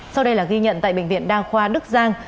sau đây là ghi nhận tại bệnh viện đa khoa đức giang